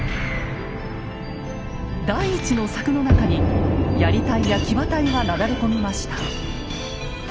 第１の柵の中にやり隊や騎馬隊がなだれ込みました。